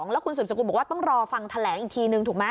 แล้วคุณสืบสกุลบอกว่าต้องรอฟังแถลงอีกทีนึงถูกไหม